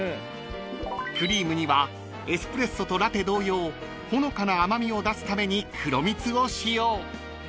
［クリームにはエスプレッソとラテ同様ほのかな甘味を出すために黒蜜を使用］